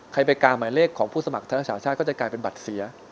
ไปกางหมายเลขของผู้สมัครทั้ง๓ชาติก็จะกลายเป็นบัตรเสีย